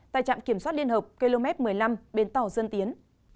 tại trạm kiểm soát liên hợp km một mươi năm bến tàu dân tiến